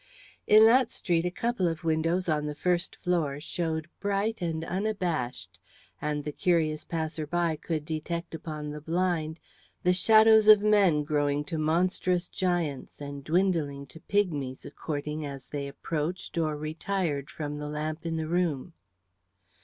In that street a couple of windows on the first floor showed bright and unabashed, and the curious passer by could detect upon the blind the shadows of men growing to monstrous giants and dwindling to pigmies according as they approached or retired from the lamp in the room.